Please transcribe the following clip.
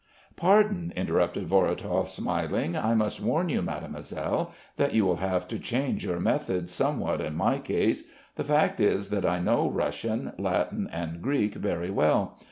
"Pardon," interrupted Vorotov, smiling, "I must warn you, Mademoiselle, that you will have to change your methods somewhat in my case. The fact is that I know Russian, Latin and Greek very well.